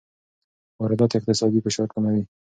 واردات اقتصادي فشار کموي.